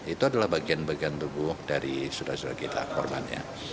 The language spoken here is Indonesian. itu adalah bagian bagian tubuh dari saudara saudara kita korbannya